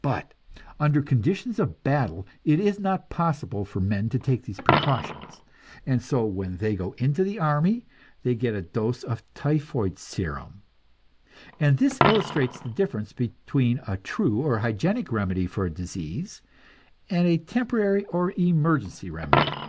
But under conditions of battle it is not possible for men to take these precautions, and so when they go into the army they get a dose of typhoid serum. And this illustrates the difference between a true or hygienic remedy for disease, and a temporary or emergency remedy.